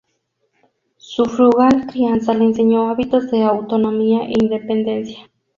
Su frugal crianza le enseñó hábitos de autonomía e independencia.